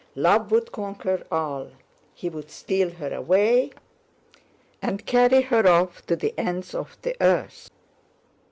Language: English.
Love would conquer all. He would steal her away and carry her off to the ends of the earth.